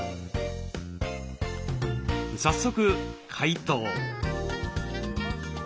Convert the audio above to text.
早速解凍。